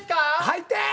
入って。